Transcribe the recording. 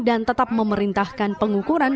dan tetap memerintahkan pengukuran